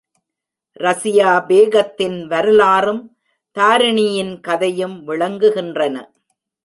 ரஸியா பேகத்தின் வரலாறும் தாரிணியின் கதையும் விளங்குகின்றன.